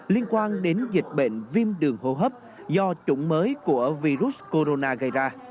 liên quan đến dịch bệnh viêm đường hô hấp do chủng mới của virus corona gây ra